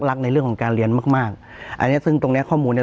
รักในเรื่องของการเรียนมากอันนี้ซึ่งตรงนี้ข้อมูลเนี่ย